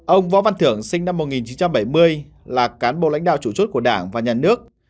ông võ văn thưởng sinh năm một nghìn chín trăm bảy mươi là cán bộ lãnh đạo chủ chốt của đảng và nhà nước